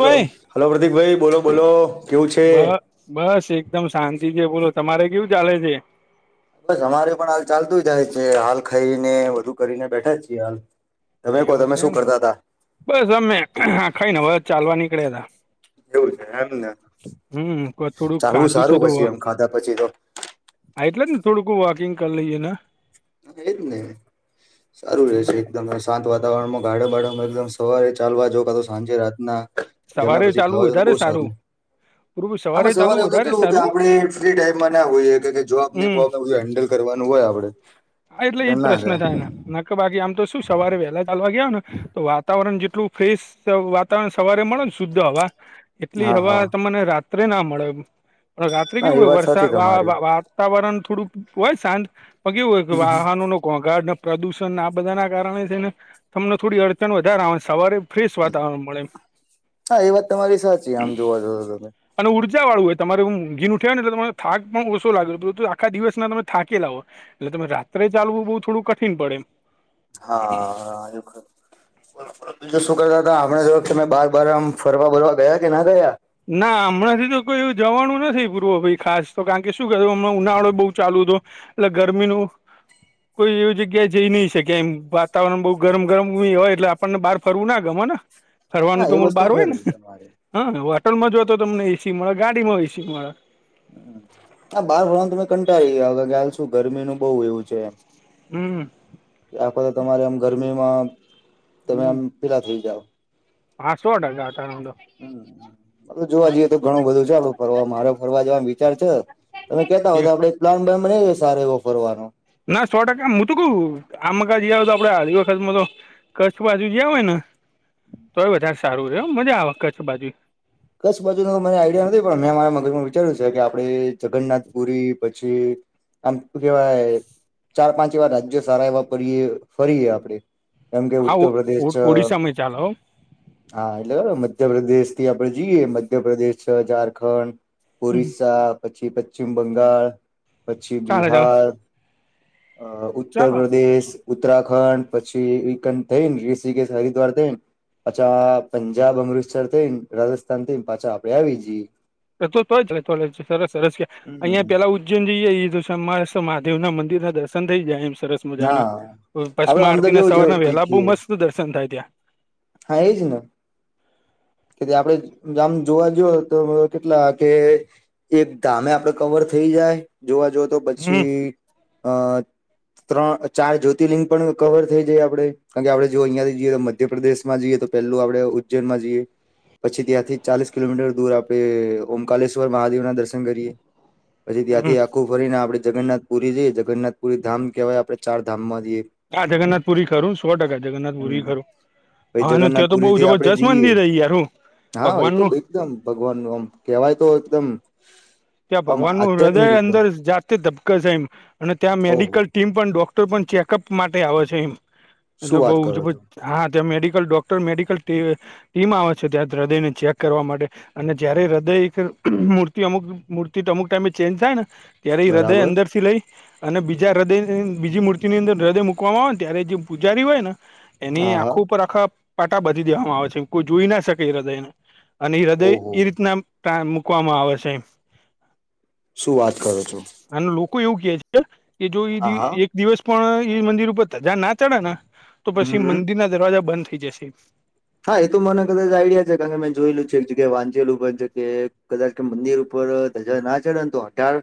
Hello ભાઈ hello Pratik ભાઈ બોલો બોલો. કેવું છે? બ બસ એકદમ શાંતિ છે, બોલો તમારે કેવું ચાલે છે? બસ અમારે પણ હાલ ચાલતું જાય છે હાલ ખાઈને બધું કરીને બેઠા છીએ હાલ. તમે કહો એવું તમે છે શું એમ કરતા હતા? બસ અમે આ ખઈન હવે આ ચાલવા નીકળ્યા હતાં. એવું છે એમને થોડુંક ચાલવું ખાધું સારું પછી એમ ખાધા પછી તો. હ એટલે જ ને થોડુંકું વોકિંગ કરી લઈએ ને. હ એજ ને સારું રહેશે. એકદમ શાંત વાતાવરણમાં ગાડાબાડોમાં એકદમ સવારે ચાલવા જાવ કા તો સાંજે રાતનાં. જમ્યા સવારે પછી ચાલવું ખાવા જાવ તો વધારે બઉ સારું. પૂરું આમાં સવારે ચાલવું એ તો વધારે કેવું કે સારું આપણેે ફ્રી ટાઈમમાં ના હોઈએ કે જોબને હમ બોબને બધું હેન્ડલ કરવાનું હોય આપડે. હા એટલે એજ પ્રશ્ન થાય ને નકર કે બાકી આમ તો શું સવારે વહેલા ચાલવા ગયા હોય ને તો વાતાવરણ જેટલું ફ્રેશ વાતાવરણ સવારે મળે ને શુદ્ધ હવા એટલી હા હવા હા તમને રાત ત્રે ના મળે પણ રાત્રે ના કેવું એ હોય વાત વરસા સાચી વા તમારી. વા વા તાવરણ થોડુંક હોય શાંત પણ કેવું હોય કે વાહનોનો ઘોંઘાટ પ્રદૂષણ આ બધાના કારણે છે ને તમને થોડી અડચણ વધારે આવે ને સવારે ફ્રીશ વાતાવરણ મળે એમ. હા એ વાત તમારી સાચી આમ જોવા જવ તો તમે અને ઉર્જાવાળું હોય તમારે હું ઉઘીન ઉઠયા હોય ને તો તમારે થાક પણ ઓછો લાગે આખા દિવસના તમે થાકેલા હોય. એટલે તમે રાત્રે ચાલવું બહુ થોડું કઠિન પડે એમ. હા. બીજું શું કરતા હતાં આ વખતે તમે બાર બાર આમ ફરવા બરવા ગયા કે ના ગયાં? ના અમણાંથી તો કોઈ એવું જવાનું નથી પૂર્વભાઈ ખાસ તો કાર ણ કે શું કેવું ઉનાળોય બઉ ચાલુ હતો એટલે ગરમીનું કોઈ એવી જગ્યા જઈ નહીં શકે એમ વાતાવરણ બઉુ ગરમ ગરમ હોય એટલે આ આપણને બહાર ફરવું ના ગમ ને હા ફરવાનું તો એ મૂળ વસ્તુ બહાર હોય ને. ખરી તમારે હને હોટલમાં જાવ તો તમને એસી મળે ગાડીમાં એસી મળે. હ બહાર ફરવાનું તમે કંટાળી હાલ શું ગરમીનું બઉ એવું છે. હમ્મ હમ્મ. કે આખો દિવસ તો તમારે આમ ગરમીમાં તમે આમ હમ પેલા થઈ જાવ. હા સો ટકા [unintelligible] હમ્મ. જોવા જઈએ તો ઘણું બધું છે આપડું ફરવા મારે ફરવા જવાનો વિચાર છે તમે કેહતા હો તો આપડે [inaudible] ના સો ટકા મુ તો કઉ આમ કા જી આવીએ તો આપડે અઢી વખતમાં તો કચ્છ બાજુ ગયા હોય ને તોય વધારે સારું રે હ મજા આવે કચ્છ બાજુય. કચ્છ બાજુનો તો મને આઈડિયા નથી પણ મેં મારા મગજમાં વિચાર્યું છે કે આપડે જગન્નાથપુરી પ પછી આમ કેવા એ ચાર પાંચ એવા રાજ્યો સારા એવા પડીએ ફરીએ આપણેે એમ કે ઉત્તર આવું પ્રદેશ ઓડિશામાં ચાલે હો [unintelligible] હા એટલે હ મધ્યપ્રદેશ થી આપડે જઈએ મધ્યપ્રદેશ છે, ઝારખંડ ઓરિસ્સા પછી, પશ્ચિમ બંગાળ પછી, ચાલે ચાલે બિહાર અ ચાલે ઉત્તરપદેશ ઉત્તરાખંડ પછી આ [unintelligible] થઈ ને ઋષિકેશ હરિદ્વાર થઈને પાછા પંજાબ, અમૃતસર થઈને રાજસ્થાન થઈને પાછા આપડે આવી જઈએ. [unintelligible] તો જ રતો સરસ સરસ કે હમ અહીયાં પહેલા ઉ [unintelligible] જએ તોમા મહાદેવના મંદિરના દર્શન થઈ જાય એમ સરસ હા મજા આપડે ભસ્મા આમ તો આરતી ના કેવું જો સવારના વહેલા બહુ દેખીએ મસ્ત દર્શન થાય ત્યાં હા એ જ ના કે આપડે આમ જોવા જએ તો કેટલા કે એક ધામે આપડે કવર થઈ જાય જોવા જ તો હમ પછી અ ત્રણ ચાર જ્યોતિર્લિંગ પણ કવર થઈ જાય આપડે કારણ કે આપડે જો અહિયાંથી જઈએ તો મધ્યપ્રદેશ માં જઈએ તો પહેલું આપડણે ઉજ્જૈનમાં જઈએ. પછી ત્યાંથી ચાલીસ કિલોમીટર દૂર આપણે ઓમકલેશ્વર મહાદેવના દર્શન કરીએ પછી હમ ત્યાંથી આખું. ફરીને આપડણે જગન્નાથપુરી જઈએ જગન્નાથપુરી ધામ કહેવાય આપડણે ચાર ધામમાં જઈએ. હા જગન્નાથપુરી ખરું સો ટકા હમ જગન્નાથપુરી ખરું પછી હા અને ત્યા તો બહુ જગન્નાથપુરી થી આપડે જબરજસ્ત જઈએ મંદિર ર યાર હું હા તો ભગવાનનું એકદમ ભગવાન નુ આમ કેહવાય તો એકદમ ત્યાં આમ ભગવાન નું હૃદય આધ્યાત્મિક એકદમ અંદર જાત ધબક છે, એમ અને ત્યાં ઓહો મેડિકલ ટીમ પણ ડોક્ટર પણ ચેકઅપ માટે આવે છે, એમ શું એટલે બઉ વાત કરો જબર છો હા ત્યાં મેડિકલ ડોક્ટર મેડિકલ ટી ટીમ આવે છે, ત્યાં હૃદયને ચેક કરવા માટે અને જયારે હૃદય એક મૂર્તિ અમુક. મૂર્તિ તો અમુક ટાઈમે ચેન્જ થાય ને ત્યારે હૃદય બરાબર અંદરથી લઈ. અને બીજા હૃદય બીજી મૂર્તિની અંદર હૃદય મૂકવામાં આવે ને ત્યારે જે પૂજારી હોય ને. એની હા હા આખો ઉપર આખા પાટા બધી દેવામાં આવે છે, કોઈ જોઈ ના શકે એ હૃદયને અને હૃદય ઓહો એ રીતના [unintelligible] મૂકવામાં આવે છે, એમ. શું વાત કરો છો? અને લોકો એવું કે છે, કે જો એ હા હા એક દિવસ પણ એ મંદિર ઉપર ત જ્યાં ના ચડે ને તો પછી હમ મંદિર ના દરવાજા બંધ થઈ જશે. હા એ તો મને કદાચ આઈડિયા છે, કારણ કે મેં જોયેલું છે, એક જગ્યાએ વાંચેલું પણ છે, કે કદાચ કે મંદિર ઉપર ધજા ના ચડે ને તો અઢાર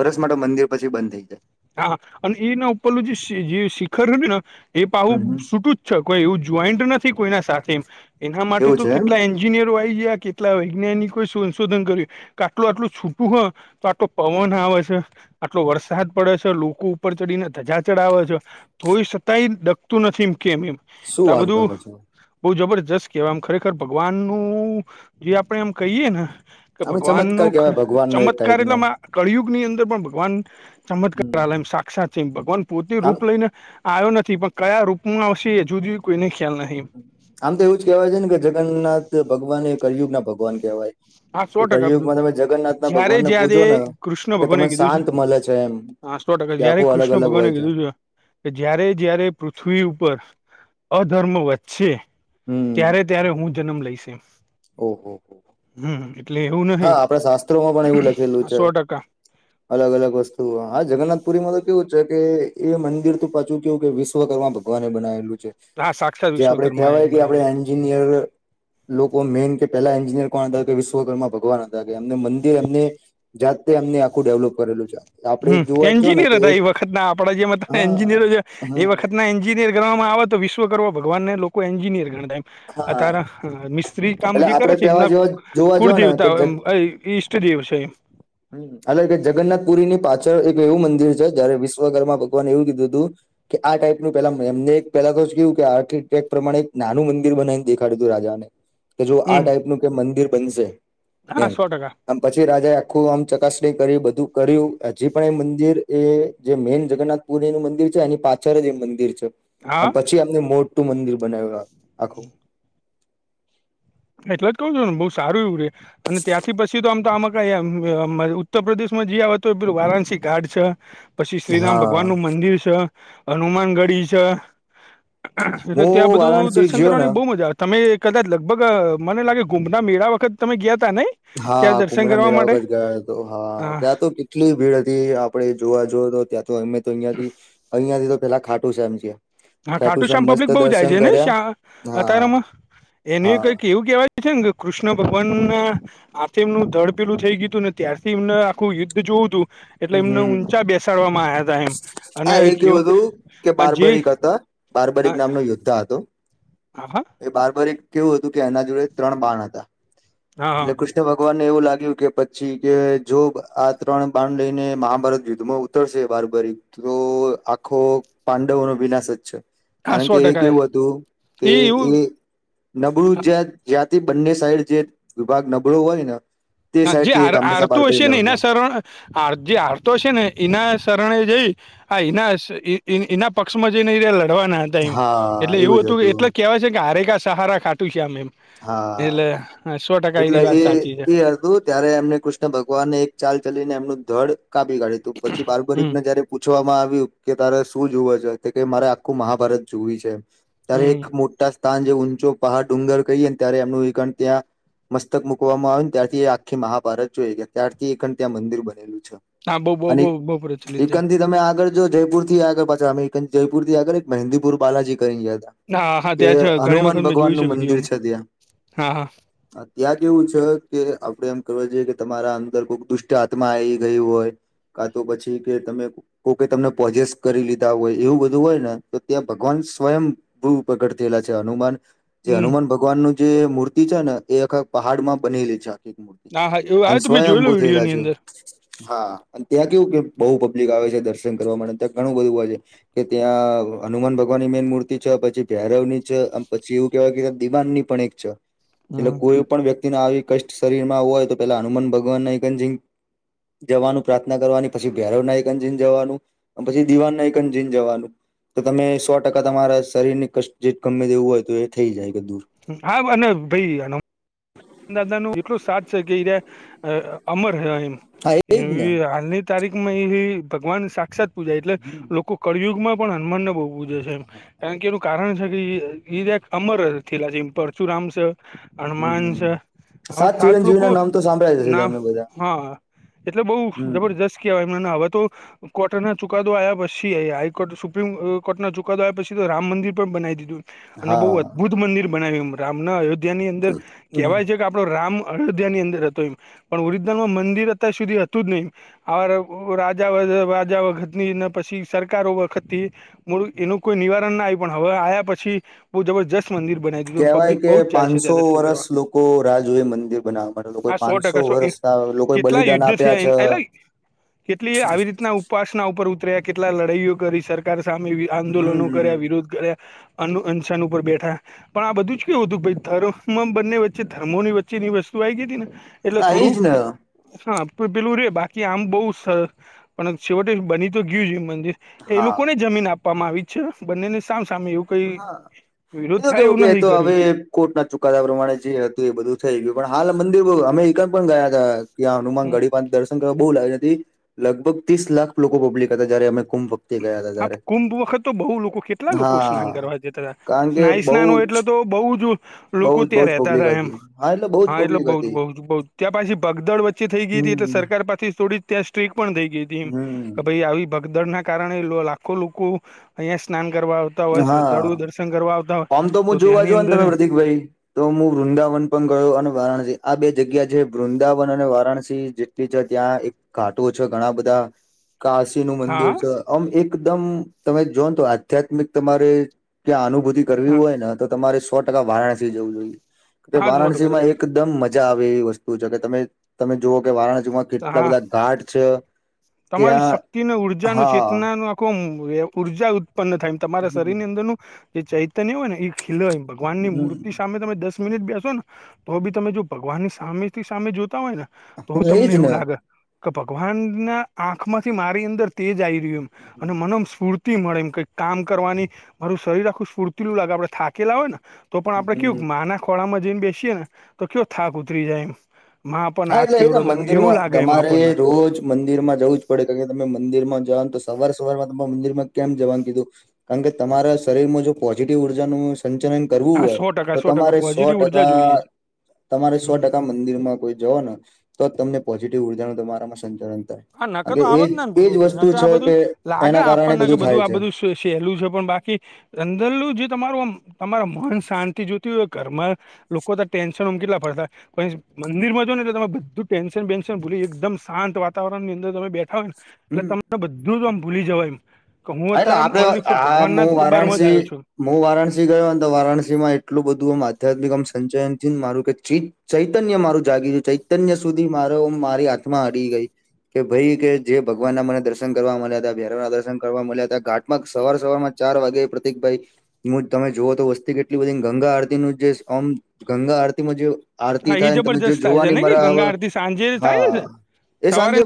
[unintelligible] માટે મંદિર પછી બંધ થઈ જાય. હા અને એના ઉપરલું જે શિખરું ને એ હમ પાવું હમ છૂટું કોઈ એવું જોઈન્ટ નથી કોઈના સાથેમ એના માટે એવું તો છે એમ કેટલા એ એન્જિનિયર હોય આ કેટલા વૈજ્ઞાનિકોએ સંશોધન કર્યું. કે આટલું આટલું છૂટું હોય તો આટલો પવન આવે છે, આટલો વરસાદ પડે છે, લોકો ઉપર ચડીને ધજા ચડાવે છે, થોઈ સતાંય ડકતું નથી એમ કેમ એમ શું [unintelligible] આ વાત બધું. કરો છો બહ જબરજસ્ત કહેવાય આમ ખરેખર ભગવાન નું જે આપણે એમ કહીયએ ને. કે આમે ભગવાન ચમત્કાર ન કેવાય ભગવાનનો એક ચમત્કાર ટાઈપનો એટલા કળયુગ ની અંદર પણ ભગવાન. હમ [unintelligible] સાક્ષાત છે, ભગવાન પોતે આમ રૂપ લઈ. આવ્યો નથી પણ કયા રૂપમાં આવશે એ જુદી કોઈને ખ્યાલ નહી. આમ તો એવું જ કેહેવાય છે ને કે જગન્નાથ ભગવાન કરિયુગ ના ભગવાન કેહેવાય. હા સો એ ટકા ક્યુંમાં તમે જગન્નાથ ના જયારે ભગવાનને જયારે પૂજો ને કૃષ્ણ કે ભગવાને તમને કીધું છે શાંત મળે છે એમ. હા કે આખું [unintelligible] અલગ અલગ હોય ભગવાનને છે [unintelligible] કે જય્યારે જય્યારે પૃથ્વી ઉપર અધર્મ વધશે. ત્યારે ત્યારે હું જન્મ લઈશ. ઓહ હો. હમ્મ. હા આપણે શાસ્ત્રોમાં પણ એવું લખેલું આ છે. સો ટકા અલગ-અલગ વસ્તુ હા જગન્નાથપુરી માં તો કેવું છે કે એ મંદિર ત પાછું કેવું કે વિશ્વ કરર્મા ભ ભગવાને બનાવેલું છે હા સાક્ષાત જે આપડે વિશ્વકર્મા એ કહેવાય કે આપ બનેલો છે એ લોકો મેન કે પેલા એન્જિનિયર કોણ હતા વિશ્વકર્મા ભ ભગવાન હતા કે એમને મંદિર એમને જાતે અમને આખું ડેવલોપ કરેલું છે. આપડે હમ જોવા જ જો ને એન્જિનિયર તો હતા એક એ વખત ના આપડા જે મ હા એન્જિનિયરો છે એ હા વખત ના એન્જિનિયર ગણવામાં આવે તો વિશ્વકર્મા ભગવાનને લોકો એન્જિનિયર ગણતા એમ. અ હા તારા મિસ્ત્રી કામ એટલે જે કરે આપડે છે પેવા એમના જેવા જોવા જ ને કે કુળદેવતા ઇસ્ટ. તથજી વિષય. હ એટલે કે જગન્નાથ પુરીની પાછળ એક એવું મંદિર છે જયારે વિશ્વકરમાં ભગવાન એવું કીધું હતું. કે આ ટાઈપનું પેલા એમને એક પેલા કેવું કે આર્ટિટેક પ્રમાણે એક નાનું મંદિર બનાઇ દે. ખડદું રાજા. કે જો આ હમ ટાઈપનું કે મંદિર બનશે હા એમ સો ટકા આમ પછી રાજા આખું આમ ચકાસણી કરી બધું કર્યું હજી પણ એ મંદિર એ જે મેન જગન્નાથ પુરીનું મંદિર છે અને પાછળ જ એ મંદિર છે. હા અને પછી અમને મોટુ મંદિર બનાવ્યું આ આખું. એટલે જ કઉું છું ને બહુ સારું એવું રે અને ત્યાંથી પછી તો આમ તો આમાં ઉત્તર પ્રદેશ માં જ તો પેલું વારાણસી ઘાટ છે. પછી શ્રીરામ હા ભગવાન નું મંદિર છે. હનુમાન ગઢી છે. એટલે હું ત્યાં બધું વારાણસી દર્શન ગયો ને કરવાની બહુ મજા આવે. તમે કદાચ લગભગ મને લાગે કુંભના મેળા વખત તમે ગયા તા નહી. હા કુંભડા મેળા વગ જ ગયા હતો હા ત તો કેટલી ભીડ હતી આપડણે જોવા જોએ તો ત્યાં તો અમે તો અહંથી અહિયાયા થી તો પેલા ખાટું છે. હા ખાટુ શ્યામ મસ્ત પબ્લિક બહુ જાય દર્શન છે ને કર્યા શા હા અત્યારેમાં એનું હા કઈ એવું કેવાય. એ જંગ કૃષ્ણ ભગવાન ને. આથી એમનું ધડ પેલું થઈ ગયું ને ત્યારથી એમને આખું યુદ્ધ જોવું હતું. એટલે હમ એમને હમ ઊંચા બેસાડવામાં આવ્યા તા એમ અને હા એ કેું જે બાર્બારીક નામનો યોદ્ધા હતો. હા. હા. એ બાર બર એક કેવું હતું કે એના જોડે ત્રણ બાણ હતા હા હા એટલે કુસ્ત કૃષ્ણ ભગવાન ને એવું લાગ્યું કે પછી કે જો આ ત્રણ બાણ લઈને મહાભારત યુધમાં ઉતરશે બારબારી. તો આખો પાંડવોનો વિનાશ જ છે. હા કારણ સો કે એ ટકા કેવું હતું કે એ નબળું જ્યાં જ્યાંથી બંને સાઈડ જે વિભાગ નબળો હોય ને. તે હા, જે સાઈડ થી હાર એક હંમેશા હારતું બારબરી હશે ને એના લડતા શરણ જે હારતો હશે ને એના શરણે જઈ. હા એના એના પક્ષમાં જઈને એ લડવાના હતા. એટલે એવું હતું કે એટલે કેહેવાય છે કે હારેકા સહારા ખાટું છે આમ એમ. એટલે હા હા, સો ટકા એટલે એની એ વાત સાચી છે એ હરદૂત. ત્યારે એમને કૃષ્ણ ભગવાનને એક ચાલ ચલીને એમનું ધડ કાપી કાઢ્યું હતું. પછી હમ બાારબરીકને જયારે પૂછવામાં આવ્યું કે તારે શું જુવે છે કે કે મારે આખું મહાભારત જોવી છે. ત્યારે હમ એક મોટા સ્થાન જે ઊંચો પહાડ ડુંગર કહીએ ને ત્યારે એમનું વણ ત્યાં મસ્તક મુકવામાં આવે ને ત્યારથી એ આખી મહાભારત જોઈ ગ્યા. ત્યારથી એ ત્યાં મંદિર બનેલું છે. હા બહુ બહુ અને બહુ બહુ પ્રચલિત છે એકંદી તમે આગળ જો જયપુર થી આગળ પાછા અમે જયપુરથી આગળ એક મહેંદીપુર બાલાજી કરી ગયા હતા. હા, હા કે ત્યાંથી ઘણી હનુમાન વખત મેં ભગવાન જોયું નું છે મંદિર ત્યાં વિડીયોમાં હા હા. [inaudible] ત્યાં કે એવું છે કે આપડે એમ કરવા જોઈએ કે તમારા અંદર કોઈ દુષ્ટ આત્મા આવી ગયું હોય. કા તો પછી કે તમે કોકે તમને પોજેસ કરી લીધા હોય એવું બધું હોય ને તો ત્યાં ભગવાન સ્વયં બહુ પ્રગટ થયેલા છે. હનુમાન જે હમ હનુમાન ભગવાનનું જે મૂર્તિ છે ને એ આખા પહાડમાં બનેલી છે આખી મૂર હા હા એવું અને હા તો મેં સ્વયંભુ જોયેલું થયેલા વિડીયોની છે. અંદર હા ત્યાં કેવું કે બહુ પબ્લિક આવે છે દર્શન કરવા માટે ત્યાં ઘણું બધું હોય છે. કે ત્યાં હનુમાન ભગવાનની મેન મૂર્તિ છે, પછી ભૈરવ ની છે, પછી એવું કેવાય કે દિવાનની પણ એક છે એટલે હમ કોઈ પણ વ્યક્તિના આવી કષ્ટ શરીરમાં હોય તો પેલા હનુમાન ભગવાનના [unintelligible] જવાનું પ્રાર્થના કરવાની પછી ભૈરવ ના યન્જીન જવાનું પછી દીવાનના એક અનજીન જવાનું. તો તમે સો ટકા તમારા શરીરની કસ્ટ જે ગમે દેવું હોય તો એ થઈ જાય કે દૂર. હાવ અને ભઈ એનો દાદાનું એટલું સાથ છે કે અમર હી એમ હા એજ ને એ હાલની તારીખ માં એવી ભગવાન સાક્ષાત પૂજા એટલે હમ લોકો કળયુગમાં પણ હનુમાનને બહુ છે એમ કારણ કે એનું કારણ છે કે અમર લા છે. એ પરચુરામ છે. હનુમાન છે. હમ. હા સાત ચિરંજીવી લોકો ના નામ તો સાંભળ્યા જશે નાફ તમે બધા હા એટલે બઉ હમ જબરજસ્ત કેવાય મને હવે તો કોર્ટ ના ચુકાદો આવ્યા પછી હાઈકોર્ટ સુપ્રીમ કોર્ટના ચુકાદો આવ્યા પછી તો રામ મંદિર પણ બનાવી દીધું. અને બહુ હા અદભુત મંદિર બનાવ્યું એ રામના અયોધ્યા મની અંદર આપડો રામ અયોધ્યાની અંદર હતો એમ પણ ઓરિજનલમાં મંદિર અત્યાર સુધી હતું જ નહી. [unintelligible] રાજા રાજા વખતની ને પછી સરકારો વખતથી. મૂળ એનું કોઈ નિવારણ ના આય પણ હવે આયા પછી બહુ જબરજસ્ત મંદિર બના કેવાય કે પાંચસો વરષ લોકો રાહ જોઈ મંદિર બનાવ લોકો આ સો પાંચસો ટકા સો વર્ષ તા લોકોએ કેટલા બલિદાન યુદ્ધ થયા આપ્યા એન- છે. પાસના ઉપર ઉતર્યા કેટલા લડાઈઓ કરી સરકાર સામે હમ આંદોલનો હમ. કર્યા વિરોધ કર્યા. અનુ અન્સાન ઉપર બેઠા પણ આ બધું જ કેવું હતું બંને વ ચે ધર્મો ની વચ્ચેની વસ્તુ આવી ગઈ હતી ને એટલે હા એજ થોડું ને હા પેલું રે બાકી આમ બહુ સર પણ છેવટે બની તો ગયુ જ એ મંદિર. એ હા લોકોને જમીન આપવામાં આવી છે બંનેને સામ સામે એવું. કઈ હા વિરોધ [unintelligible] થાય કેવું એવું કે નહી તો હવે કર્યું કોર્ટ ના ચુકાદા પ્રમાણે જે હતું એ બધું થઈ ગયું પણ હાલ મંદિર અમે એક પણ ગયા હતા. ત્યાં હનુમાન ગડી પા દર્શન કરવા બહુ લાગે લગભગ ત્રીસ લાખ લોકો પબ્લિક હતા જયારે અમે કંમ આ કુંભ વખત તો બહુ લોકો કેટલા લોકો હા સ્નાન કરવા જતા હતા. કારણ કે સ્નાયુ બહુ સ્નાન હોય એટલે જ તો બહુ જ બહુ લોકો જ બહુ ત્યાં જ રહેતા પબ્લિક હતા એમ. હતી એટલે બહુ હા જ એટલે પબ્લિક બઉુ જ હતી બહુ જ બઉ ત્યાં પાછી બગદડ વચ્ચે થઈ ગઈ હતી એટલે હમ સરકાર પાછી થોડી ત્યાં સ્ટ્રીક પણ થઈ ગઈ હતી એમ કે ભાઈ હમ આવી ભગદડ ના કારણે લાખો લોકો અહિયા સ્નાન કરવા આવ તા હોય હા શ્રદ્ધાળુઓ દર્શન કરવા આવતા હોય તો ત્યાંની અંદર વઇ તો હું વૃંદાવન પણ ગયો અને વારાણસી આ બે જગ્યા છે વૃંદાવન અને વારાણસી જેટલી છે ત્યાં એ ઘાટો છે ઘણા બધા કાશી નું મંદિર હા છે આમ એકદમ તમે જોઓને તો આધ્યાત્મિક તમારે ક્યાં અનુભૂતિ કરવી હા હોય ને તો તમારે સો ટકા વારાણસી જવું જોઈએ કે હા સો વારાણસી ટકા માં એકદમ મજા આવે એવી વસ્તુ છે કે તમે તમે જુઓ કે વારાણ જેમાં કેટલા હા બધા [unintelligible] તમારી ત્યાં શક્તિ ઉર્જા નું હા ચેતના નુ આખુ ઊર્જા ઉત્પન્ન થાય તમારા હમ શરીર ની અંદરનું જે ચૈતન્ય હોય ને એ ખીલે ભગવાનની મૂર્તિ હમ સામે તમે દસ મિનિટ બેસો ને તો બી તમે જો ભગવાનની સામે થી સામે જોતા હોય ને તો એજ તમને ને એવું લાગે કે ભગવાન ના આંખમાંથી મારી અંદર તેજ આવી એમ. અને મનોમ સ્ફૂર્તિ મળે એમ કઈ કામ કરવાની. મારું શરીર આખું સ્ફૂર્તિલું લાગે આપડે થાકેલા હોય ને તો પણ આપણે હમ કેવું મા ના ખોળામાં જઈને બેસીએે ને તો કેયો થાક ઉતરી જાય એમ. મા હા આપણને હાથ એટલે એવીતા ફેવરો તો એમ એવું મંદિરમાં લાગે એમ તમારે આપણને રોજ મંદિર માં જવું જ પડે કારણ તમે મંદિર માં જવાનું તો સવારે સવાર માં તમાર મંદિરમાં કેમ જવાનું કીધું કારણ કે તમારા શરીરમાં જો પોઝિટિવ ઉર્જા નું સંચલન કરવું હા હોય સો ટકા તો સો ટકા તમારે સો પોઝિટિવ ઉર્જા જોઈએ ટકા છે તમારે સો હમ ટકા મુ મંદિરમાં કોઈ જો ને તો જ તમને પોઝિટિવ ઉર્જા નું તમારામાં સંચાલન થાય હા ન કે કારણ તો આવ એજ જ નેને એજ ગુરુ ભાઈ ને વસ્તુ આ છે બધું કે લાગે એના કારણે આપણને કે થાય બધું આ છે બધું શું એટલું સેલુ છે પણ બાકી અંદરલું જે તમારું અમ તમારા મન શાંતિ જોતી હોય ઘરમાં લોકો તો ટેન્શન ઉમ કેટલા પડતા. પાહિ મંદિર માં જો ને તમે બધું ટેન્શન વેન્શન ભૂલી એકદમ શાંત વાત વાતાવરણ ની અંદર તમે બેઠા હોય ને એટલે હમ તમને બધું તો આમ ભૂલી જવાય એમ. કે હું હા, એટલે અત્યારે આપડે ઓનલી ફોર આ ભગવાન હું ના દરબારમાં જ વારાણસી આવ્યો છું. હું વારાણસી ગયો તો વારાણસી માં એટલું બધું આમ આધ્યાત્મિક આમ સંચયન થીને મારું કે ચી ચૈતન્ય મારું જાગી ગયું ચૈતન્ય સુધી મારો મારી હાથમાં અડી ગઈ. કે ભાઈ કે જે ભગવાન ના મને દર્શન કરવા મળ્યા હતા [unintelligible] ના દર્શન કરવા મળ્યા હતા ઘાટમાં સવાર સવાર માં ચાર વાગે પ્રતિકભાઈ મુ તમે જુઓ તો વસ્તી કેટલી બધી ગંગા આરતી નુ જે આમ ગંગા આરતીમાં જે આરતી હા એ થાય તમે જો જબરજસ્ત થાય છે જોવાની ને કે મજા આવે ગંગા આરતી સાંજે હા થાય છે એ સવારે સાંજે